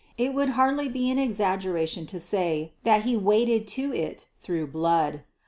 It would hardly be an exaggeration to say that he waded to it through blood.